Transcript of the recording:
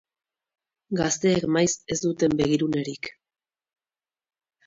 Gazteek maiz ez duten begirunerik.